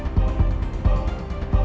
aku bisa ngasih ke dia